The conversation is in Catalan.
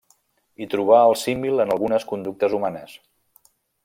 I trobà el símil en algunes conductes humanes.